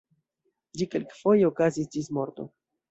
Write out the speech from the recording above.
Ĝi kelkfoje okazis ĝis morto.